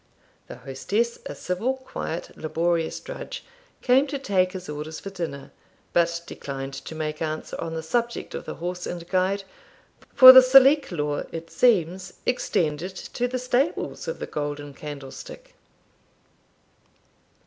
The hostess, a civil, quiet, laborious drudge, came to take his orders for dinner, but declined to make answer on the subject of the horse and guide; for the Salique law, it seems, extended to the stables of the Golden Candlestick.